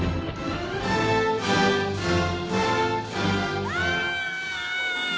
うわ！